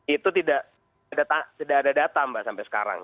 itu tidak ada data mbak sampai sekarang